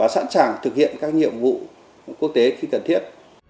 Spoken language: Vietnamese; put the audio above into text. sẵn sàng thực hiện các nhiệm vụ quốc tế khi cần thiết